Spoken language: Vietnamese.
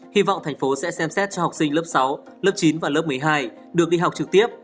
hy vọng thành phố sẽ xem xét cho học sinh lớp sáu lớp chín và lớp một mươi hai được đi học trực tiếp